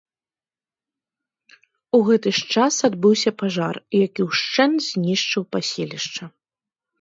У гэты ж час адбыўся пажар, які ўшчэнт знішчыў паселішча.